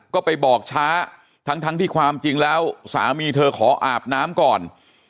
ก็ไปบอกช้าทั้งที่ความจริงแล้วสามีเธอขออาบน้ำก่อน